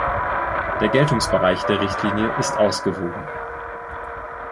Der Geltungsbereich der Richtlinie ist ausgewogen.